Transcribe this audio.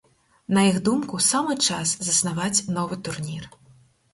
На іх думку, самы час заснаваць новы турнір.